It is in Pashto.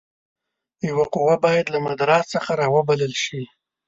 یوه قوه باید له مدراس څخه را وبلل شي.